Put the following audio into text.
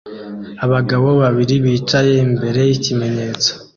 Abagabo babiri bicaye imbere yikimenyetso